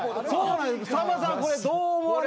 さんまさんこれどう思われますか？